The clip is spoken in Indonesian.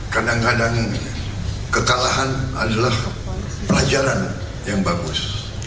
kadang kadang kekalahan adalah pelajaran yang bagus